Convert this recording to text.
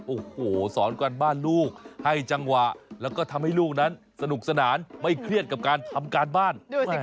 โอ้โหสอนการบ้านลูกให้จังหวะแล้วก็ทำให้ลูกนั้นสนุกสนานไม่เครียดกับการทำการบ้าน